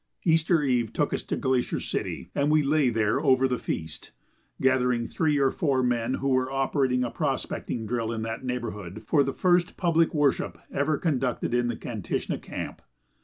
Easter eve took us to Glacier City, and we lay there over the feast, gathering three or four men who were operating a prospecting drill in that neighborhood for the first public worship ever conducted in the Kantishna camp.